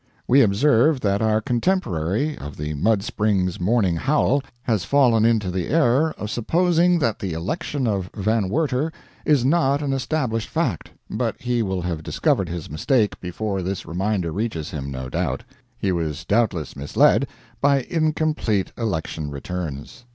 We observe that our contemporary of the Mud Springs Morning Howl has fallen into the error of supposing that the election of Van Werter is not an established fact, but he will have discovered his mistake before this reminder reaches him, no doubt. He was doubtless misled by incomplete election returns.